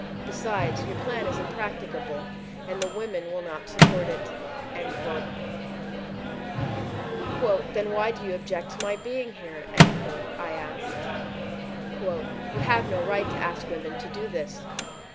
Besides, your plan is impracticable and the women will not support it." "Then why do you object to my being here?" I asked. "You have no right to ask women to do this